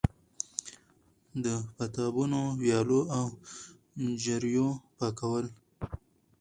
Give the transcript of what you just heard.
د پاتابونو، ويالو او چريو پاکول